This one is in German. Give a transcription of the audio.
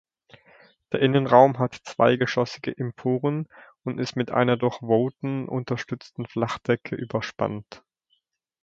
Der Innenraum hat zweigeschossige Emporen und ist mit einer durch Vouten unterstützten Flachdecke überspannt.